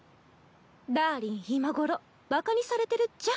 ダーリン今ごろバカにされてるっちゃ。